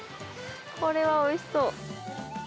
これはおいしそう。